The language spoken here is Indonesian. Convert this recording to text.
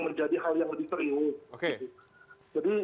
menjadi hal yang lebih serius jadi